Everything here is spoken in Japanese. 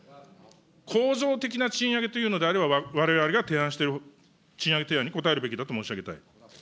構造的な賃上げというのであれば、われわれが提案している賃上げ提案に応えるべきだと申し上げたい。